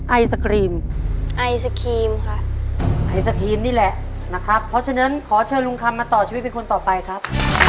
ไอศครีมไอศครีมค่ะไอศครีมนี่แหละนะครับเพราะฉะนั้นขอเชิญลุงคำมาต่อชีวิตเป็นคนต่อไปครับ